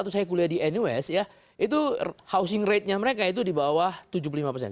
waktu tahun seribu sembilan ratus sembilan puluh satu saya kuliah di nus housing ratenya mereka itu di bawah tujuh puluh lima persen